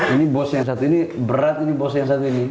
ini bos yang satu ini berat ini bos yang satu ini